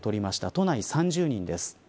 都内３０人です。